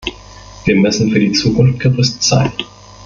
Wir müssen für die Zukunft gerüstet sein.